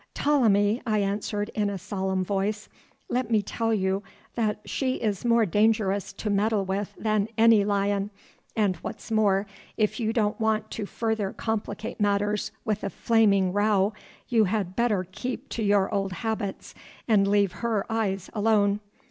"Ptolemy," I answered in a solemn voice, "let me tell you that she is more dangerous to meddle with than any lion, and what's more, if you don't want to further complicate matters with a flaming row, you had better keep to your old habits and leave her eyes alone.